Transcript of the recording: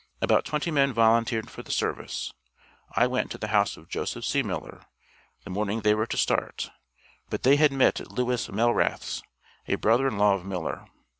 About twenty men volunteered for the service; I went to the house of Joseph C. Miller, the morning they were to start, but they had met at Lewis Mellrath's, a brother in law of Miller.